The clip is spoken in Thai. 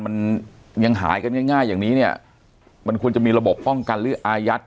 มันยังหายกันง่ายอย่างนี้เนี่ยมันควรจะมีระบบป้องกันหรืออายัด